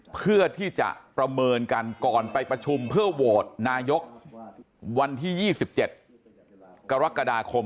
เพื่อที่จะประเมินกันก่อนไปประชุมเพื่อโหวตนายกวันที่๒๗กรกฎาคม